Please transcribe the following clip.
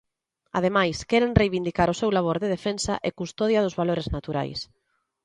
Ademais, queren reivindicar o seu labor de defensa e custodia dos valores naturais.